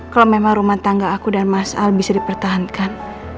kalau memang rumah tangga aku dan mas al bisa dipertahankan